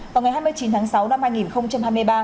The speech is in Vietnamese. vào ngày hai mươi chín tháng sáu năm hai nghìn hai mươi ba